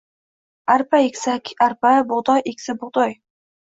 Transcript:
arpa eksa – arpa, bug‘doy eksa – bug‘doy.